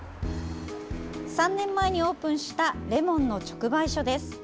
３年前にオープンしたレモンの直売所です。